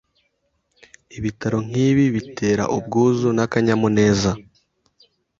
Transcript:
Ibitabo nk’ibi bitera ubwuzu n’akanyamuneza,